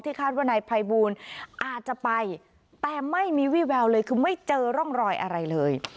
คาดว่านายภัยบูลอาจจะไปแต่ไม่มีวี่แววเลยคือไม่เจอร่องรอยอะไรเลย